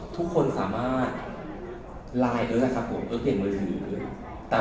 ที่เป็นว่าลายเอิร์คเตรียดนะครับเอิร์คเปลี่ยนมือถือ